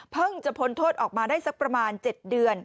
จะพ้นโทษออกมาได้สักประมาณ๗เดือน